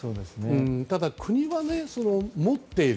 ただ、国は持っている。